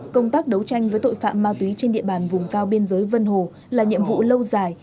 công tác đấu tranh với tội phạm ma túy trên địa bàn vùng cao biên giới vân hồ là nhiệm vụ lâu dài